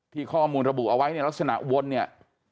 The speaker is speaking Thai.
ข้อมูลระบุเอาไว้เนี่ยลักษณะวนเนี่ย